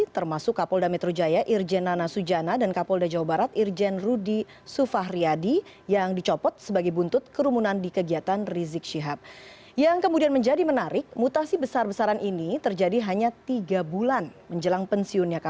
pembatasan sosial tersebut berdasarkan peraturan yang ada